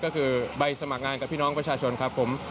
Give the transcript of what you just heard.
ก็คือใบสมัครงานกับพี่น้องประชาชนครับผม